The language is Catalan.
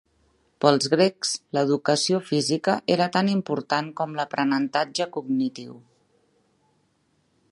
Pels grecs, l'educació física era tan important com l'aprenentatge cognitiu.